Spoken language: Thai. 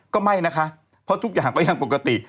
ก็ไม่นะคะเพราะทุกอย่างก็ยังปกติ